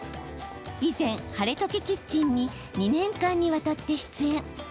以前「ハレトケキッチン」に２年間にわたって出演。